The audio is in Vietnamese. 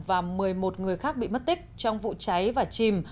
và một mươi một người khác bị mất tích trong vụ cháy và chìm